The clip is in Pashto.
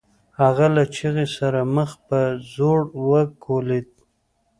هغه له چيغې سره مخ په ځوړ وکوليد.